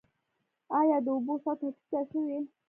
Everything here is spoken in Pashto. آیا د اوبو سطحه ټیټه شوې؟